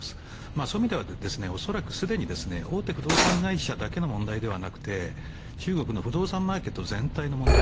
そういう意味では恐らくすでに大手不動産会社だけの問題ではなくて中国の不動産マーケット全体の問題。